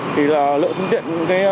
thì là lượng phương tiện